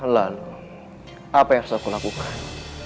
lalu apa yang harus aku lakukan